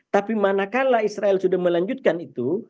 tapi manakala israel sudah melanjutkan itu